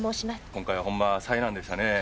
今回はほんま災難でしたねえ。